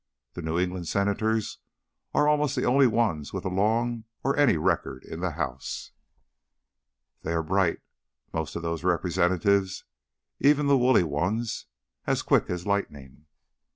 The New England Senators are almost the only ones with a long or any record in the House." "They are bright, most of those Representatives even the woolly ones; as quick as lightning."